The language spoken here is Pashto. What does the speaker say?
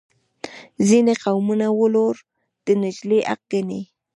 ځینې قومونه ولور د نجلۍ حق ګڼي.